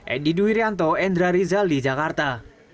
edi duwiryanto endra rizal di jakarta